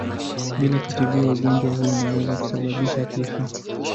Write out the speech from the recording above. Bila kutibiwa ugonjwa huu unaweza kusababisha kifo.